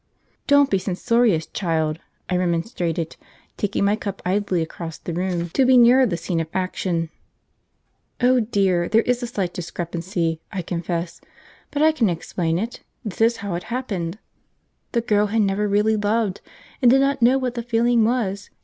"Don't be censorious, child," I remonstrated, taking my cup idly across the room, to be nearer the scene of action. "Oh, dear! there is a slight discrepancy, I confess, but I can explain it. This is how it happened: The girl had never really loved, and did not know what the feeling was.